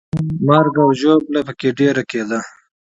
مرګ او ژوبله پکې ډېره کېده.